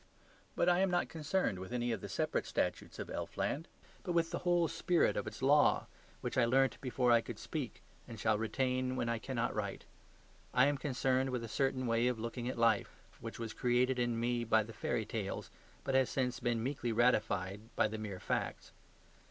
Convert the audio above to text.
But I am not concerned with any of the separate statutes of elfland, but with the whole spirit of its law, which I learnt before I could speak, and shall retain when I cannot write. I am concerned with a certain way of looking at life, which was created in me by the fairy tales, but has since been meekly ratified by the mere facts.